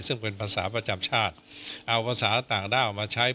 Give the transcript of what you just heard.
ซึ่งเป็นภาษาประจำชาติเอาภาษาต่างด้าวมาใช้